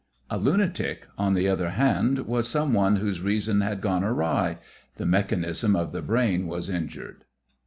A lunatic, on the other hand, was some one whose reason had gone awry the mechanism of the brain was injured.